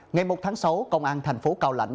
ngày một tháng sáu công an thành phố cao lãnh